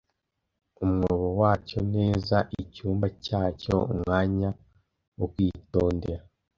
Umwobo wacyo neza: icyumba cyacyo, umwanya wo kwitondera.